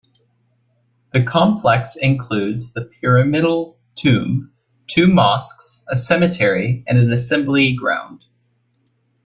The complex includes the pyramidal tomb, two mosques, a cemetery and an assembly ground.